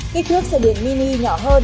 kích thước xe điện mini nhỏ hơn